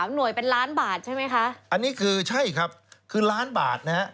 หน่วยเป็นล้านบาทใช่ไหมคะอันนี้คือใช่ครับคือล้านบาทนะฮะ